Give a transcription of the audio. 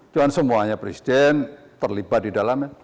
cuma semuanya presiden terlibat di dalamnya